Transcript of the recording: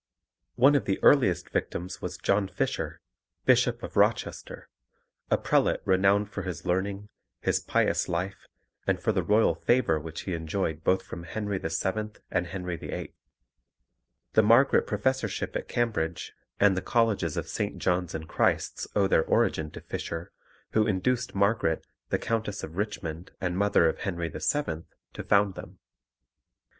One of the earliest victims was John Fisher, Bishop of Rochester, a prelate renowned for his learning, his pious life, and for the royal favour which he enjoyed both from Henry VII. and Henry VIII. The Margaret Professorship at Cambridge and the Colleges of St. John's and Christ's owe their origin to Fisher, who induced Margaret, the Countess of Richmond and mother of Henry VII., to found them.